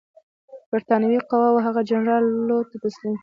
برټانوي قواوو هغه جنرال لو ته تسلیم کړ.